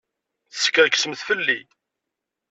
Teskerksemt fell-i.